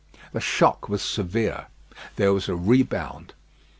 The shock was severe. There was a rebound.